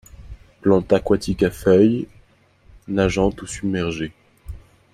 Plantes aquatiques, à feuilles nageantes ou submergées.